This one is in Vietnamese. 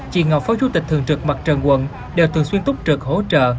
chị ngọc phó chủ tịch thường trực mặt trận quận đều thường xuyên túc trực hỗ trợ